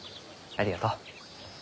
ありがとう。